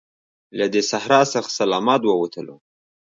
له دې صحرا څخه سلامت ووتلو.